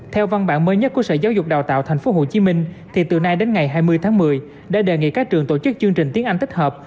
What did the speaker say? theo văn bản mới nhất của sở giáo dục đào tạo thành phố hồ chí minh thì từ nay đến ngày hai mươi tháng một mươi đã đề nghị các trường tổ chức chương trình tiếng anh tích hợp